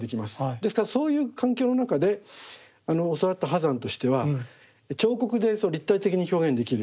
ですからそういう環境の中で教わった波山としては彫刻で立体的に表現できる。